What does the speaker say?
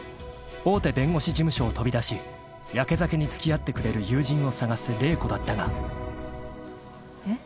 ［大手弁護士事務所を飛びだしやけ酒に付き合ってくれる友人を探す麗子だったが］えっ？